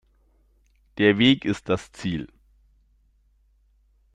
Der Weg ist das Ziel.